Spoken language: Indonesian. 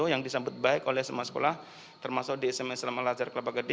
yang disambut baik oleh semua sekolah termasuk di sma serantau